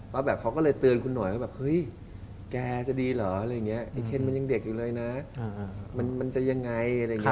มันจะยังไงอะไรอย่างนี้